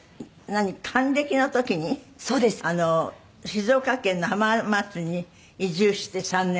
静岡県の浜松に移住して３年？